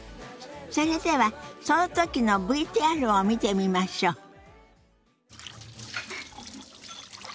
それではその時のＶＴＲを見てみましょう。